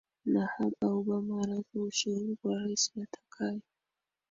na hapa obama anatoa ushauri kwa rais atakaye